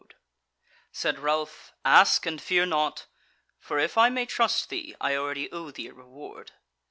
Said Ralph: "Ask and fear not; for if I may trust thee I already owe thee a reward."